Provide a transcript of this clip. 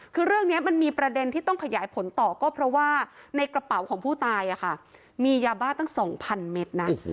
คือเรื่องนี้มันมีประเด็นที่ต้องขยายผลต่อก็เพราะว่าในกระเป๋าของผู้ตายมียาบ้าตั้ง๒๐๐เมตรนะ